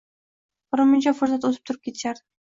Birmuncha fursat o`tib turib ketishardi